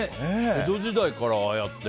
江戸時代からああやって。